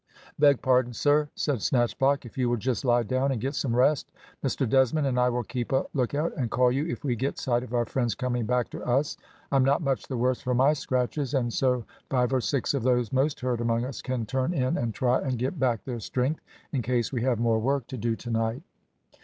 "Beg pardon, sir," said Snatchblock, "if you will just lie down and get some rest, Mr Desmond and I will keep a look out, and call you if we get sight of our friends coming back to us. I am not much the worse for my scratches, and so five or six of those most hurt among us can turn in and try and get back their strength, in case we have more work to do to night."